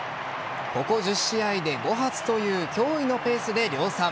ここ１０試合で５発という驚異のペースで量産。